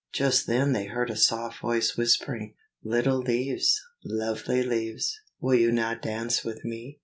Just then they heard a soft voice whispering, "Little leaves, lovely leaves, will you not dance with me?"